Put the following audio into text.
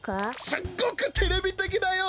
すっごくテレビてきだよ。